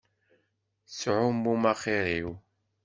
Tettɛummum axiṛ-iw.